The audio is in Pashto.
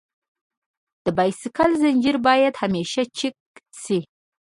د بایسکل زنجیر باید همیشه چک شي.